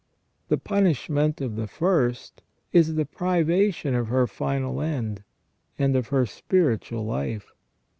The punishment of the first is the privation of her final end, and of her spiritual life.